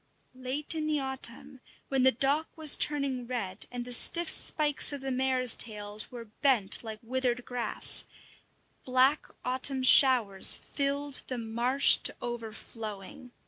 Late in the autumn, when the dock was turning red, and the stiff spikes of the mare's tails were bent like withered grass, black autumn showers filled the marsh to overflowing.